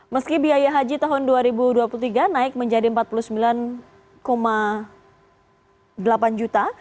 meski biaya haji tahun dua ribu dua puluh tiga naik menjadi rp empat puluh sembilan delapan juta